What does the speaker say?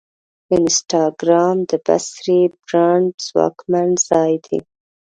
انسټاګرام د بصري برانډ ځواکمن ځای دی.